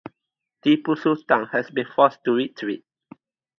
Tipu Sultan had been forced to retreat.